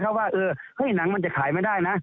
ถ้าว่ามันจะขายไม่ได้